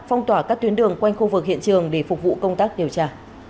phong tỏa các tuyến đường quanh khu vực hiện trường để phục vụ công tác điều tra